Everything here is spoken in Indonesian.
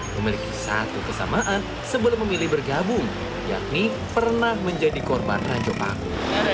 memiliki satu kesamaan sebelum memilih bergabung yakni pernah menjadi korban ranjau paku